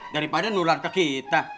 daripada nuran ke kita